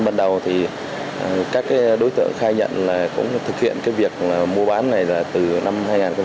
bắt đầu các đối tượng khai nhận cũng thực hiện việc mua bán này từ năm hai nghìn hai mươi